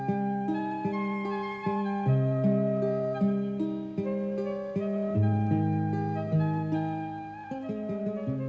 orang orang yang sedang tertidur